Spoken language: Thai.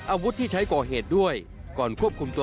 อาวุธที่ใช้ก่อเหตุด้วยก่อนควบคุมตัว